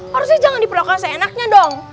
harusnya jangan diperlakukan seenaknya dong